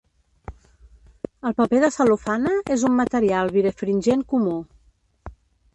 El paper de Cel·lofana és un material birefringent comú.